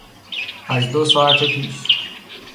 از دو ساعت پیش